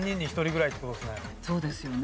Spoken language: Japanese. そうですよね。